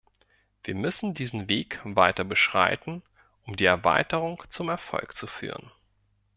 Wir müssen diesen Weg weiter beschreiten, um die Erweiterung zum Erfolg zu führen.